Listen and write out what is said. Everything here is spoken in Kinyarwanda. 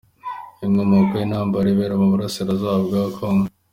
Inkomoko y’intambara ibera mu burasirazuba bwa Kongo.